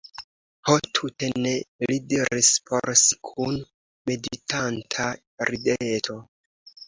Ho tute ne, li diris por si kun meditanta rideto.